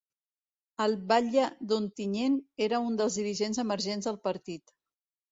El batlle d’Ontinyent era un dels dirigents emergents del partit.